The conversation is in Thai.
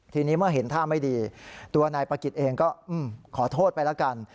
ทีนี้เมื่อเห็นท่าไม่ดีตัวนายประกิจเองก็ขอโทษไปแล้วกัน